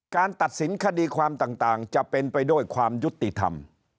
ตัดสินคดีความต่างจะเป็นไปด้วยความยุติธรรม